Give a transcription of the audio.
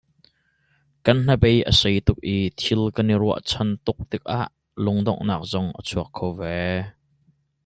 Kan hnabei a sei tuk i thil kan i ruahchan tuk tikah lungdongnak zong a chuak kho ve.